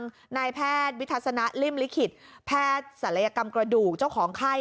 นายแพทย์วิทัศนะริ่มลิขิตแพทย์ศัลยกรรมกระดูกเจ้าของไข้